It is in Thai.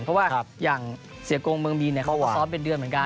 เพราะว่าอย่างเสียโกงเมืองมีนเขาก็ซ้อมเป็นเดือนเหมือนกัน